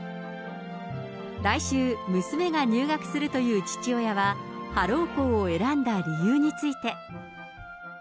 来週、娘が入学するという父親は、ハロウ校を選んだ理由について。